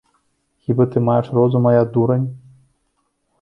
Хіба ты маеш розум, а я дурань?